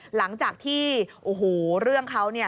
หลังจากที่โอ้โฮเรื่องเขา